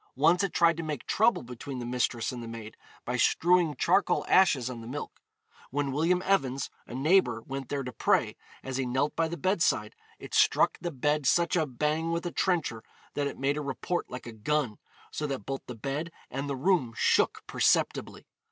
Once it tried to make trouble between the mistress and the maid by strewing charcoal ashes on the milk. When William Evans, a neighbour, went there to pray, as he knelt by the bedside, it struck the bed such a bang with a trencher that it made a report like a gun, so that both the bed and the room shook perceptibly.